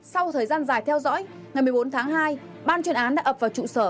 sau thời gian dài theo dõi ngày một mươi bốn tháng hai ban chuyên án đã ập vào trụ sở